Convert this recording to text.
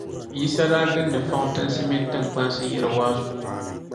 Yisa daa gindi fɔntinsi mini tiŋkpansi yihiri waazu.